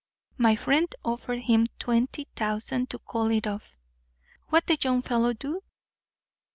My friend offered him twenty thousand to call it off. What'd the young fellow do?"